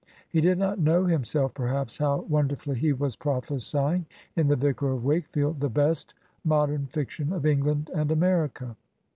He did not know himself, perhaps, how won derfully he was prophesying, in " The Vicar of Wake field," the best modem fiction of England and America.